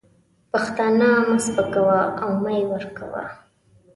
پښتانه مه سپکوه او مه یې ورکوه.